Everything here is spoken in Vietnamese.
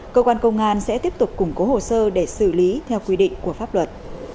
cơ quan công an sẽ tiếp tục củng cố hồ sơ để xử lý theo quy định của pháp luật